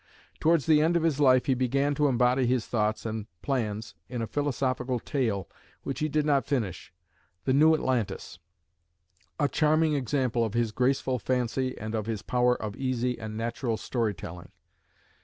Towards the end of his life he began to embody his thoughts and plans in a philosophical tale, which he did not finish the New Atlantis a charming example of his graceful fancy and of his power of easy and natural story telling.